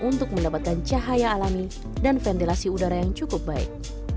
untuk mendapatkan cahaya alami dan ventilasi udara yang cukup baik